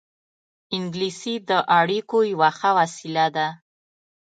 انګلیسي د اړیکو یوه ښه وسیله ده